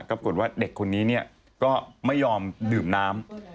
รวมกันว่าเด็กคนนี้เนี่ยก็ไม่ยอมดื่มน้ำ